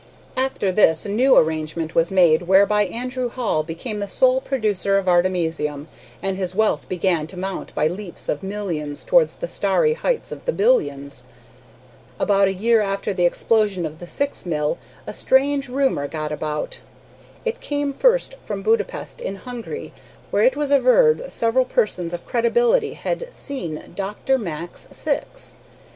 After this a new arrangement was made whereby Andrew Hall became the sole producer of artemisium, and his wealth began to mount by leaps of millions towards the starry heights of the billions. About a year after the explosion of the Syx mill a strange rumor got about. It came first from Budapest, in Hungary, where it was averred several persons of credibility had seen Dr. Max Syx.